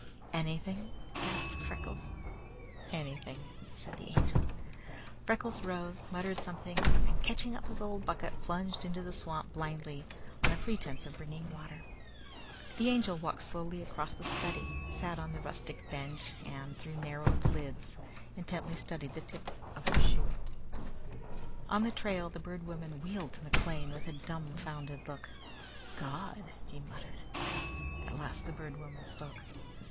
"Anything!" gasped Freckles. "Anything," said the Angel. Freckles arose, muttered something, and catching up his old bucket, plunged into the swamp blindly on a pretence of bringing water. The Angel walked slowly across the study, sat on the rustic bench, and, through narrowed lids, intently studied the tip of her shoe. On the trail the Bird Woman wheeled to McLean with a dumbfounded look. "God!" muttered he. At last the Bird Woman spoke.